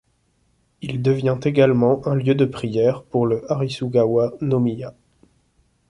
Il devient également un lieu de prières pour le Arisugawa-no-miya.